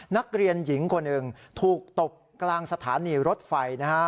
นักเรียนหญิงคนหนึ่งถูกตบกลางสถานีรถไฟนะฮะ